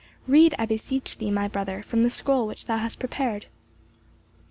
Read, I beseech thee, my brother, from the scroll which thou hast prepared."